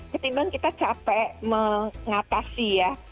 ketimbang kita capek mengatasi ya